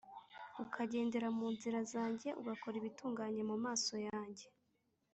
ukagendera mu nzira zanjye ugakora ibitunganye mu maso yanjye